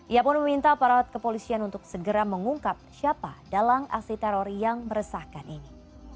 ia pun meminta parawat kepolisian untuk segera mengungkap siapa dalang aksi teror yang meresahkan ini